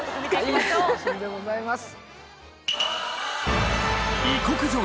楽しみでございます。